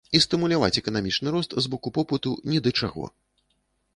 І стымуляваць эканамічны рост з боку попыту ні да чаго.